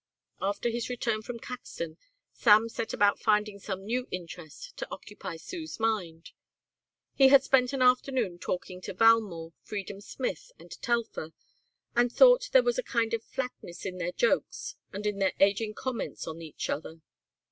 After his return from Caxton Sam set about finding some new interest to occupy Sue's mind. He had spent an afternoon talking to Valmore, Freedom Smith, and Telfer and thought there was a kind of flatness in their jokes and in their ageing comments on each other.